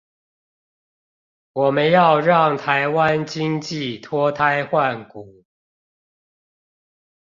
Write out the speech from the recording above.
我們要讓臺灣經濟脫胎換骨